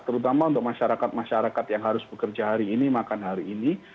terutama untuk masyarakat masyarakat yang harus bekerja hari ini makan hari ini